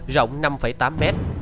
rộng năm tám mét